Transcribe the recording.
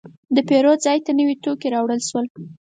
د پیرود ځای ته نوي توکي راوړل شول.